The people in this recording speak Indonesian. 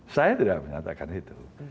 saya tidak menyatakan itu